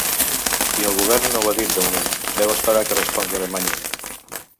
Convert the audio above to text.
I el govern no ho ha dit de moment, deu esperar que respongui Alemanya.